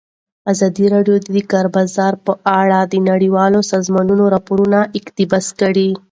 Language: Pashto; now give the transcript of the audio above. ازادي راډیو د د کار بازار په اړه د نړیوالو سازمانونو راپورونه اقتباس کړي.